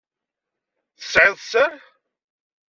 Tesɛiḍ sser?